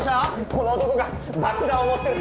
この男が爆弾を持ってる。